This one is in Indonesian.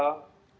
dan baik itu